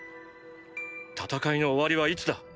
戦いの終わりはいつだ？